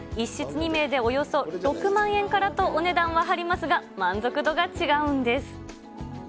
１室２名でおよそ６万円からとお値段は張りますが、満足度が違うんです。